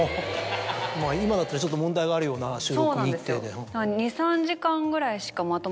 今だったらちょっと問題があるような収録日程で。